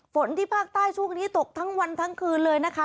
ฝนที่ภาคใต้ช่วงนี้ตกทั้งวันทั้งคืนเลยนะคะ